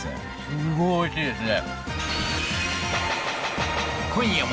すごいおいしいですね